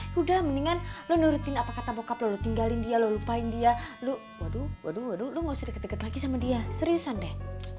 yaudah mendingan lu nurutin apa kata bokap lo lu tinggalin dia lo lupain dia lo waduh waduh waduh lo gak usah deket deket lagi sama dia seriusan deh